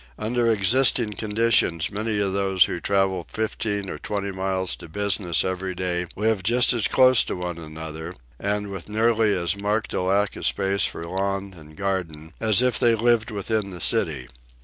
Under existing conditions many of those who travel fifteen or twenty miles to business every day live just as close to one another, and with nearly as marked a lack of space for lawn and garden, as if they lived within the city.